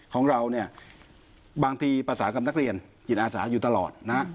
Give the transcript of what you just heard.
ของเราเนี่ยบางทีภาษากับนักเรียนจิตอาสาอยู่ตลอดนะฮะ